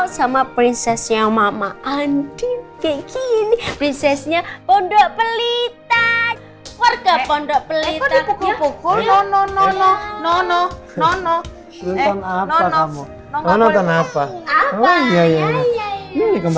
sama prinsesnya mama andi bikin prinsesnya pondok pelitang warga pondok pelitang